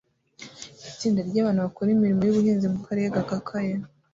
Itsinda ryabantu bakora imirimo yubuhinzi mukarere gakakaye